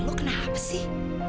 lo kenapa sih